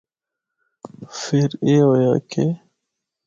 فر اے ہویا کہ